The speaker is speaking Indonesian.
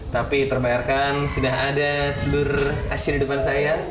tapi terbayarkan sudah ada telur asin di depan saya